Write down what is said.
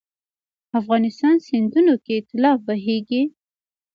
افغانستان سیندونو کې طلا بهیږي 😱